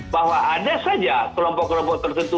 bahwa ada saja kelompok kelompok tertentu